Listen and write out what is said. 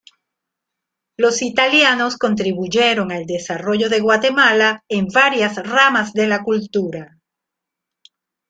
Los italianos contribuyeron al desarrollo de Guatemala en varias ramas de la cultura.